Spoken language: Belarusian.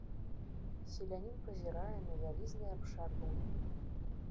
Селянін пазірае на вялізны абшар руні.